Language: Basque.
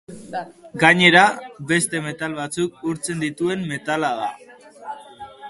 Gainera, beste metal batzuk urtzen dituen metala da.